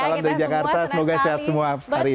salam dari jakarta semoga sehat semua hari ini